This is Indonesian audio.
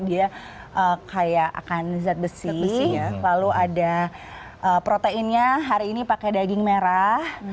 dia kayak akan zat besi lalu ada proteinnya hari ini pakai daging merah